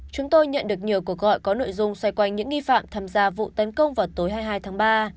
chúng tôi nhận được nhiều cuộc gọi có nội dung xoay quanh những nghi phạm tham gia vụ tấn công vào tối hai mươi hai tháng ba